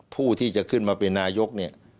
ผู้ที่จะขึ้นมาเป็นนายก